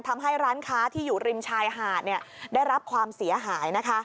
ทำให้ร้านค้าที่อยู่ริมชายหาดได้รับความเสียหายนะคะ